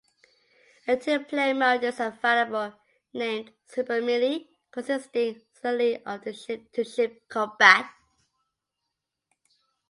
A two-player mode is available, named Super Melee, consisting solely of the ship-to-ship combat.